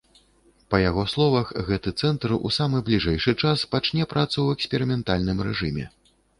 Па яго словах, гэты цэнтр у самы бліжэйшы час пачне працу ў эксперыментальным рэжыме.